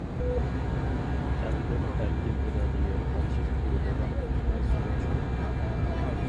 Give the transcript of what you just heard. تەقدىر ئەركىن ئىرادىگە قارشى تۇرىدىغان پۈتمەس كۈچ.